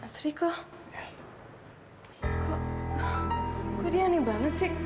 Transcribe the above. mas riko kok gue dia aneh banget sih